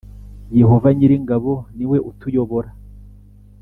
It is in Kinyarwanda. Yehova nyir ingabo ni we utuyobora